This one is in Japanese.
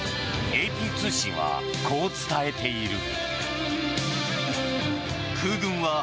ＡＰ通信はこう伝えている。